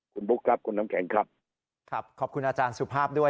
คุณบุ๊คครับคุณน้ำแข็งครับครับขอบคุณอาจารย์สุภาพด้วย